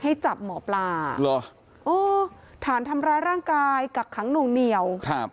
ให้จับหมอปลาเหรอโอ้ฐานทำร้ายร่างกายกักขังหนูเหนียวครับ